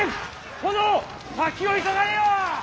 殿先を急がれよ！